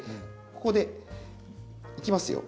ここでいきますよ。